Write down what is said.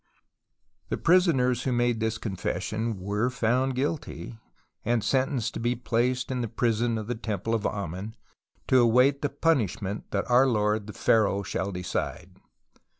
The prisoners who made this confession were found guilty, and sentenced " to be placed in the prison of the temple of Amen," to await " the punish ment that our lord the pharaoh shall decide."